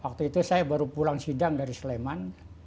waktu itu saya baru pulang sidang dari sleman